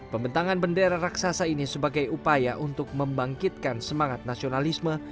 pembentangan bendera raksasa ini sebagai upaya untuk membangkitkan semangat nasionalisme